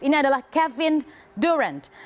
ini adalah kevin durant